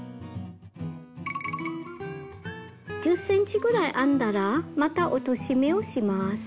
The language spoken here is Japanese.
１０ｃｍぐらい編んだらまた落とし目をします。